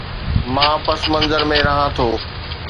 مان پس منظر ۾ رهان ٿو